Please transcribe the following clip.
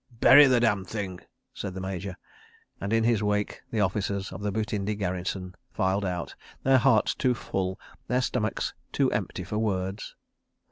... "Bury the damned Thing," said the Major, and in his wake the officers of the Butindi garrison filed out, their hearts too full, their stomachs too empty for words.